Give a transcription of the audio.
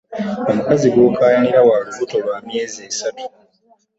Omukazi gw'okaayanira wa lubuto lwa myezi essaatu